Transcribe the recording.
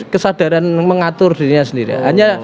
kesadaran mengatur dirinya sendiri hanya